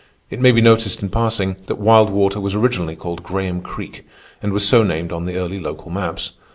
It may be noticed, in passing, that Wild Water was originally called Graham Creek and was so named on the early local maps.